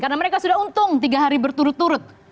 karena mereka sudah untung tiga hari berturut turut